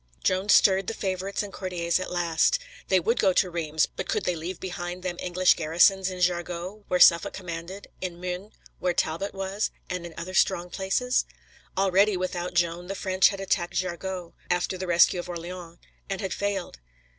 Joan stirred the favorites and courtiers at last. They would go to Reims, but could they leave behind them English garrisons in Jargeau, where Suffolk commanded; in Meun, where Talbot was, and in other strong places? Already, without Joan, the French had attacked Jargeau, after the rescue of Orleans, and had failed.